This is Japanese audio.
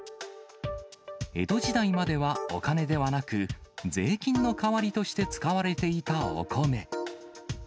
江戸時代までは、お金ではなく、税金の代わりとして使われていたお米。